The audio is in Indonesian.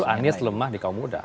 anies lemah di kaum muda